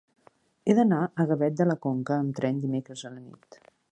He d'anar a Gavet de la Conca amb tren dimecres a la nit.